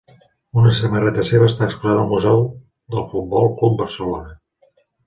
Una samarreta seva està exposada al Museu del Futbol Club Barcelona.